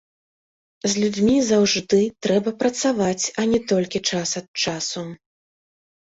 З людзьмі заўжды трэба працаваць, а не толькі час ад часу.